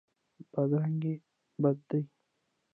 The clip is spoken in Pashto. بدرنګي بد دی.